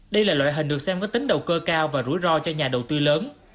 đây là loại hình được xem có tính đầu cơ cao và rủi ro cho nhà đầu tư lớn